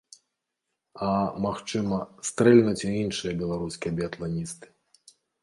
А, магчыма, стрэльнуць і іншыя беларускія біятланісты.